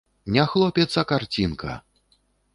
Не хлопец, а карцінка!